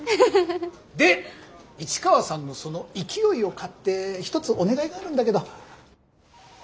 で市川さんのその勢いを買って一つお願いがあるんだけど。